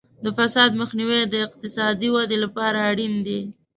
د فساد مخنیوی د اقتصادي ودې لپاره اړین دی.